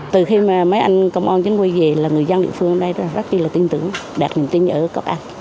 từ khi mà mấy anh công an chính quy về là người dân địa phương ở đây rất là tin tưởng đạt niềm tin ở công an